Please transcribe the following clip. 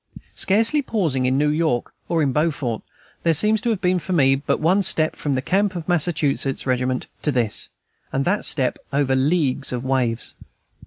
Scarcely pausing in New York or in Beaufort, there seems to have been for me but one step from the camp of a Massachusetts regiment to this, and that step over leagues of waves.